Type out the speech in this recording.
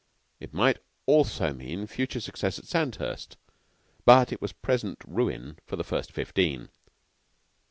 It might also mean future success at Sandhurst; but it was present ruin for the First Fifteen.